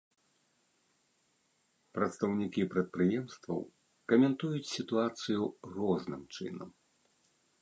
Прадстаўнікі прадпрыемстваў каментуюць сітуацыю розным чынам.